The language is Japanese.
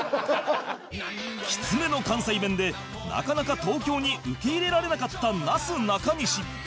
きつめの関西弁でなかなか東京に受け入れられなかったなすなかにし